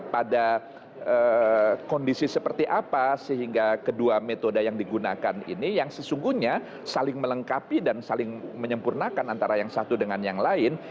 pada kondisi seperti apa sehingga kedua metode yang digunakan ini yang sesungguhnya saling melengkapi dan saling menyempurnakan antara yang satu dengan yang lain